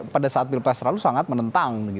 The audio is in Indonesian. pada saat pilpres lalu sangat menentang